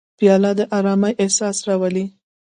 پیاله د ارامۍ احساس راولي.